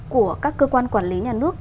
của các cơ quan quản lý nhà nước